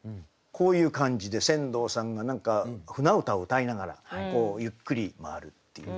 こういう感じで船頭さんが何か舟歌を歌いながらゆっくり回るっていう。